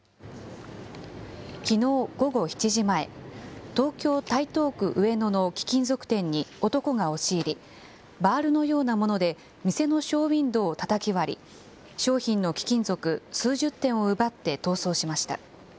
きのう午後７時前、東京・台東区上野の貴金属店に男が押し入り、バールのようなもので店のショーウインドーをたたき割り、商品の貴金属数十点を奪って逃走しました。